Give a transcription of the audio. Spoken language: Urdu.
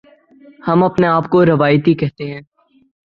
ہم اپنے آپ کو روایتی کہتے ہیں۔